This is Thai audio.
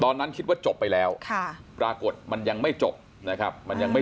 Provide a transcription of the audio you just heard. ตอนนั้นคิดว่าจบไปแล้วค่ะปรากฏมันยังไม่จบนะครับ